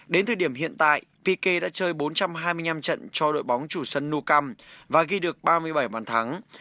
đến thời điểm hiện tại zerapike đã chơi bốn trăm hai mươi năm trận cho đội bóng chủ sân nuukam và ghi được ba mươi bảy bàn thắng